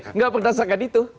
enggak pernah sangat itu